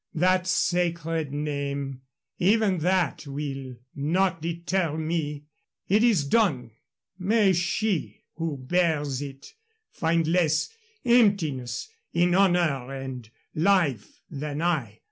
That sacred name even that will not deter me. It is done. May she who bears it find less emptiness in honor and life than I.